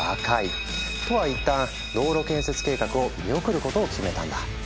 都は一旦道路建設計画を見送ることを決めたんだ。